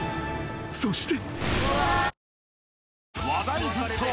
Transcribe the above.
そして］